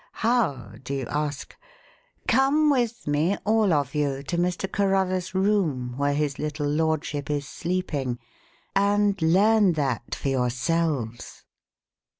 How, do you ask? Come with me all of you to Mr. Carruthers' room, where his little lordship is sleeping, and learn that for yourselves."